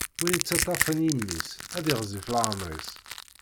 Win yettaṭṭafen imi-s, ad yiɣzif leɛmeṛ-is.